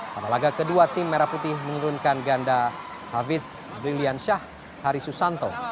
pada laga kedua tim merah putih menurunkan ganda havids lilian syah harisusanto